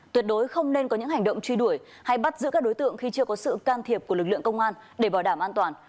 tuyệt đối không nên có những hành động truy đuổi hay bắt giữ các đối tượng khi chưa có sự can thiệp của lực lượng công an để bảo đảm an toàn